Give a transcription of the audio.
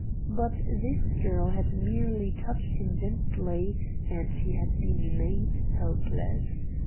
But this girl had merely touched him gently, and he had been made helpless.